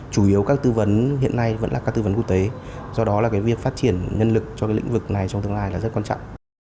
chủ yếu các tư vấn hiện nay vẫn là các tư vấn quốc tế do đó việc phát triển nhân lực cho lĩnh vực này trong tương lai rất quan trọng